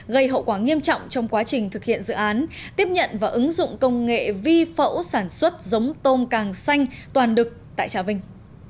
gây hậu quả nghiêm trọng trong quá trình thực hiện dự án tiếp nhận và ứng dụng công nghệ vi phẫu sản xuất giống tôm càng xanh toàn đực tại trà vinh